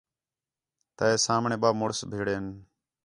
تے سامھݨے ٻَہہ مُݨس بِھڑین